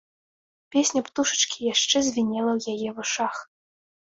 Песня птушачкі яшчэ звінела ў яе вушах.